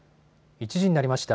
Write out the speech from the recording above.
１時になりました。